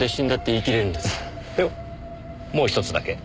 いやもうひとつだけ。